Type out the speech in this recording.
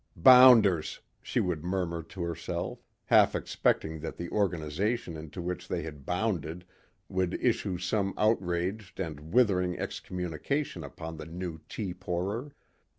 "Bounders," she would murmur to herself, half expecting that the Organization into which they had bounded would issue some outraged and withering excommunication upon the new tea pourer.